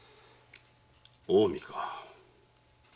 近江か。